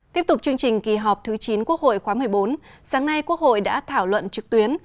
tiếp tục chương trình kỳ họp thứ chín quốc hội khóa một mươi bốn sáng nay quốc hội đã thảo luận trực tuyến